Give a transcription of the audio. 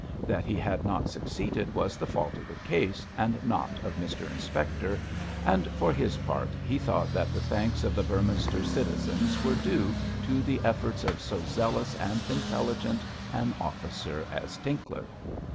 That he had not succeeded was the fault of the case and not of Mr Inspector, and for his part, he thought that the thanks of the Beorminster citizens were due to the efforts of so zealous and intelligent an officer as Tinkler.